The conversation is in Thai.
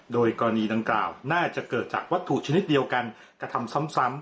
โดยกรณีดังกล่าวน่าจะเกิดจากวัตถุชนิดเดียวกันกระทำซ้ำ